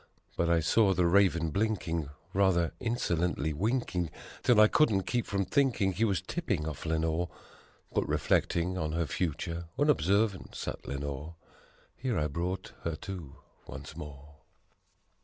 But I saw the Raven blinking rather, insolently winking 'Till I couldn't keep from thinking he was tipping off Lenore; But reflecting on her future, unobservant sat Le nore: Here I brought her to, once more.